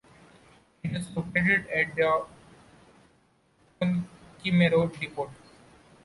It is located at their Pukemiro depot.